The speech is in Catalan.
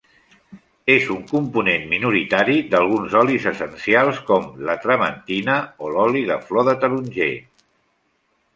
És un component minoritari d'alguns olis essencials, com la trementina, l'oli de flor de taronger.